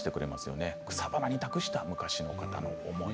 草花に託した昔の歌の思い。